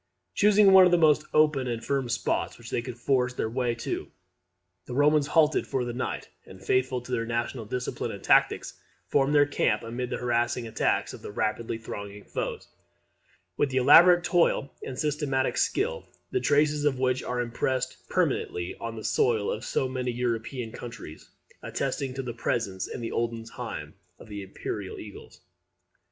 Choosing one of the most open and firm spots which they could force their way to, the Romans halted for the night; and, faithful to their national discipline and tactics, formed their camp amid the harassing attacks of the rapidly thronging foes, with the elaborate toil and systematic skill, the traces of which are impressed permanently on the soil of so many European countries, attesting the presence in the olden time of the imperial eagles.